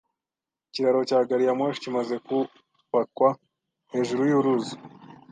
Ikiraro cya gari ya moshi kimaze kubakwa hejuru yuruzi.